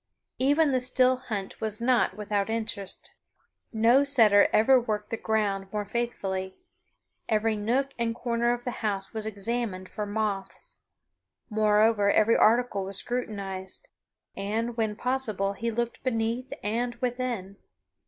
Even the still hunt was not without interest. No setter ever worked the ground more faithfully. Every nook and corner of the house was examined for moths. Moreover, every article was scrutinized, and, when possible, he looked beneath and within.